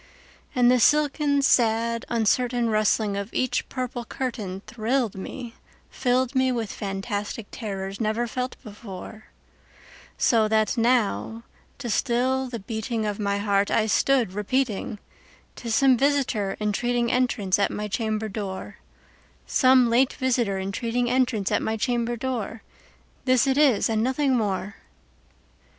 And the silken sad uncertain rustling of each purple curtainThrilled me—filled me with fantastic terrors never felt before; So that now, to still the beating of my heart, I stood repeating"'T is some visitor entreating entrance at my chamber door, Some late visitor entreating entrance at my chamber door:This it is and nothing more."